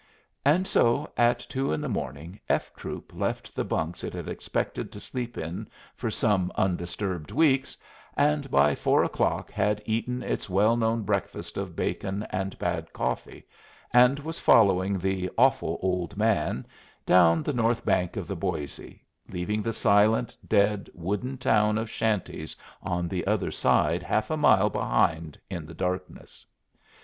And so at two in the morning F troop left the bunks it had expected to sleep in for some undisturbed weeks, and by four o'clock had eaten its well known breakfast of bacon and bad coffee, and was following the "awful old man" down the north bank of the Boisé, leaving the silent, dead, wooden town of shanties on the other side half a mile behind in the darkness.